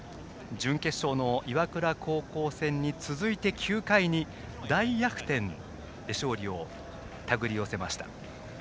準決勝の岩倉高校戦に続いて９回に大逆転で勝利を手繰り寄せました。